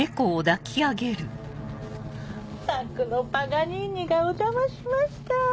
宅のパガニーニがお邪魔しました。